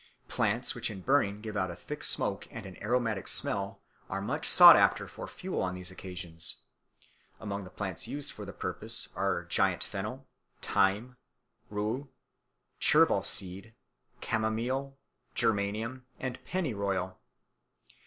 Plants which in burning give out a thick smoke and an aromatic smell are much sought after for fuel on these occasions; among the plants used for the purpose are giant fennel, thyme, rue, chervil seed, camomile, geranium, and penny royal.